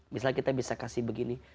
misalnya kita bisa kasih begini